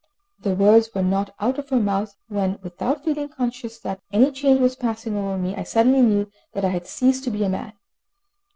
The words were not out of her mouth when, without feeling conscious that any change was passing over me, I suddenly knew that I had ceased to be a man.